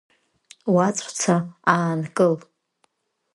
Уаҵәца аанкыл.